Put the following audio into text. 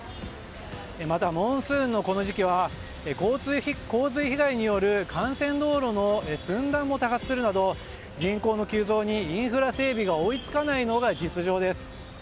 またモンスーンのこの時期は洪水被害による幹線道路の寸断も多発するなど人口の急増にインフラ整備が追いつかないのが実情です。